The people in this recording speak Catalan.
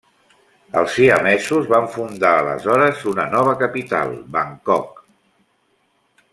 Els siamesos van fundar aleshores una nova capital, Bangkok.